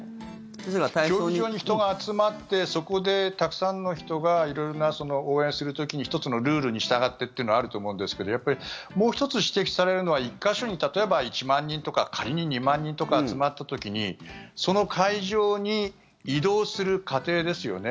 競技場に人が集まってそこでたくさんの人が色々な応援をする時に１つのルールに従ってというのはあると思うんですけどやっぱりもう１つ指摘されるのは１か所に例えば１万人とか仮に２万人とか集まった時にその会場に移動する過程ですよね。